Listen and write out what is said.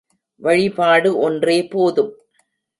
வழிபாடு ஒன்றே போதும்.